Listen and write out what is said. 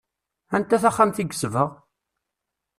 Anta taxxamt i yesbeɣ?